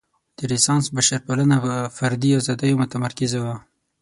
د رنسانس بشرپالنه په فردي ازادیو متمرکزه وه.